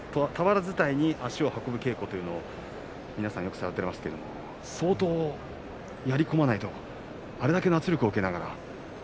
俵伝いに足を運ぶ稽古を皆さんよくされていますが相当やり込まないとあれだけの圧力を受けながら。